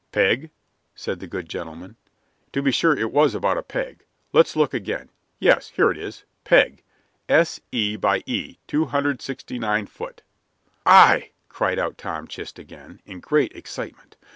"Peg?" said the good gentleman. "To be sure it was about a peg. Let's look again. Yes, here it is. 'Peg S. E. by E. 269 foot.'" "Aye!" cried out Tom Chist again, in great excitement.